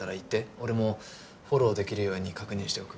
俺もフォローできるように確認しておく。